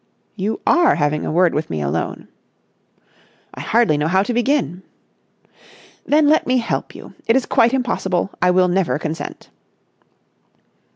"You are having a word with me alone." "I hardly know how to begin." "Then let me help you. It is quite impossible. I will never consent."